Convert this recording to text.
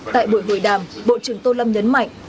tại buổi hội đàm bộ trưởng tô lâm nhấn mạnh